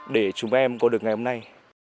để chúng em có được ngày hôm nay